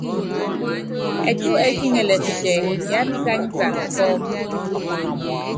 Ɛtú ɛ́kiŋɛlɛ kutɛ, yápíkanyikana kɔ́mú.